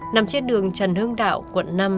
nằm trên đường trần hương đạo quận năm